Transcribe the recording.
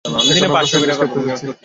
এখন, আমরা স্যান্ডউইচ খেতে যাচ্ছি।